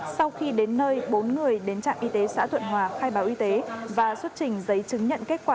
sau khi đến nơi bốn người đến trạm y tế xã thuận hòa khai báo y tế và xuất trình giấy chứng nhận kết quả